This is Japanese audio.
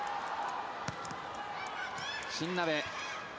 新鍋。